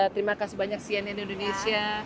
terima kasih banyak cnn indonesia